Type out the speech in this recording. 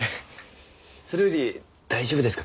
それより大丈夫ですか？